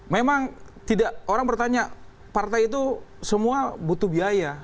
memang tidak orang bertanya partai itu semua butuh biaya